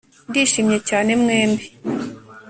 Ndishimye cyane mwembi